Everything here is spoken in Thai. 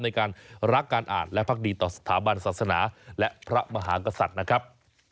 ในการรักการอ่านและพักดีต่อสถาบันศาสนาและพระมหากษัตริย์นะครับ